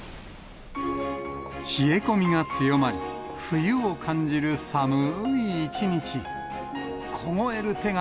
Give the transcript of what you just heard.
冷え込みが強まり、冬を感じる寒い一日。